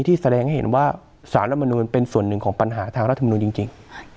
แสดงให้เห็นว่าสารรัฐมนูลเป็นส่วนหนึ่งของปัญหาทางรัฐมนุนจริง